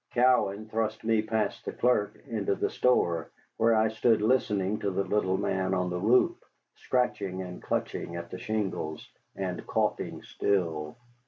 Cowan thrust me past the clerk into the store, where I stood listening to the little man on the roof, scratching and clutching at the shingles, and coughing still.